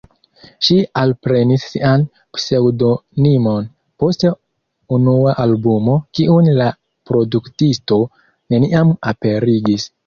Ŝi alprenis sian pseŭdonimon post unua albumo kiun la produktisto neniam aperigis.